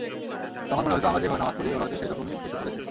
তখন মনে হতো আমরা যেভাবে নামাজ পড়ি, ওরা হয়তো সেরকমই কিছু করছে।